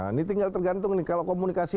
ini tinggal tergantung nih kalau komunikasi